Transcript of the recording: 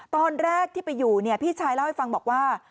ตอนแรกที่ไปอยู่เนี่ยพี่ชายเล่าให้ฟังบอกว่า